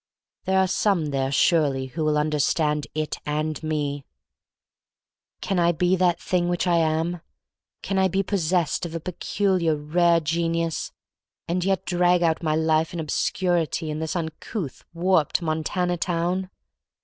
There are some there surely who will understand it and me. Can I be that thing which I am — can I be possessed of a peculiar rare genius, and yet drag out my life in obscurity in this uncouth, warped, Montana town